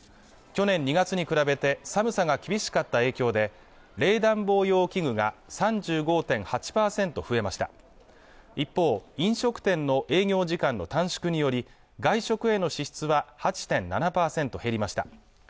去年２月に比べて寒さが厳しかった影響で冷暖房用器具が３５．８％増えました一方、飲食店の営業時間の短縮により外食への支出は８．７％減りました